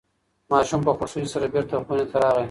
ماشوم په خوښۍ سره بیرته خونې ته راغی.